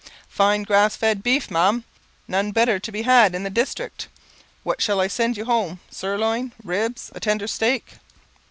"Fine grass fed beef, ma'am none better to be had in the district. What shall I send you home sirloin, ribs, a tender steak?"